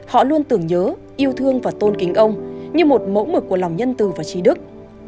họ luôn tưởng nhớ yêu thương và tôn kính ông như một mẫu mực của lòng nhân từ và trí đức